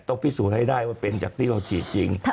พิสูจน์ให้ได้ว่าเป็นจากที่เราฉีดจริง